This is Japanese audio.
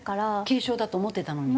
軽症だと思ってたのに？